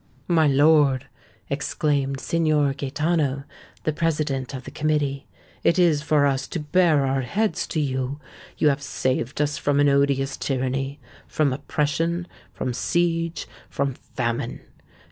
"My lord," exclaimed Signor Gaëtano, the President of the Committee, "it is for us to bare our heads to you. You have saved us from an odious tyranny—from oppression—from siege—from famine!